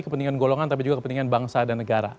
kepentingan golongan tapi juga kepentingan bangsa dan negara